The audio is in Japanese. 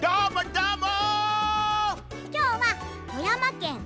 どーも！